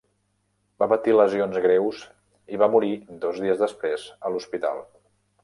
Va patir lesions greus i va morir dos dies després a l'hospital.